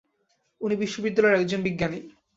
উনি বিশ্ববিদ্যালয়ের একজন বিজ্ঞানী।